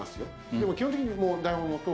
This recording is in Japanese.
でも基本的に。